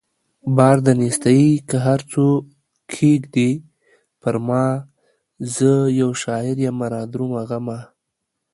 بار د نيستۍ که هر څو کښېږدې پرما زه يو شاعر يمه رادرومه غمه